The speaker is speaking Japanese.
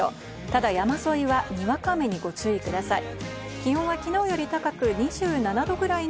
ただ山沿いはにわか雨にご注意ください。